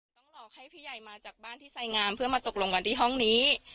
ต้องหลอกให้พี่ใหญ่มาจากบ้านที่ใส่งามเพื่อมาตกลงกันที่ห้องนี้